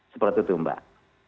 seperti itu mbak